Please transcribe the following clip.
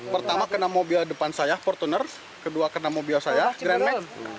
pertama kena mobil depan saya portuner kedua kena mobil saya grandmack